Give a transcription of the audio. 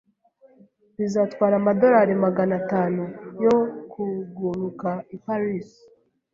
Bizatwara amadorari Magana atanu yo kuguruka i Paris.